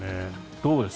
どうです？